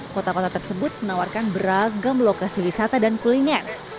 kota kota tersebut menawarkan beragam lokasi wisata dan kuliner